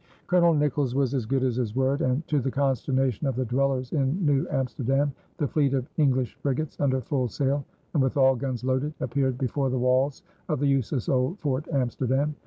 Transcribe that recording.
Colonel Nicolls was as good as his word and, to the consternation of the dwellers in New Amsterdam, the fleet of English frigates, under full sail and with all guns loaded, appeared before the walls of the useless old Fort Amsterdam.